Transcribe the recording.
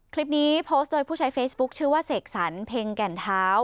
โพสต์โดยผู้ใช้เฟซบุ๊คชื่อว่าเสกสรรเพ็งแก่นเท้า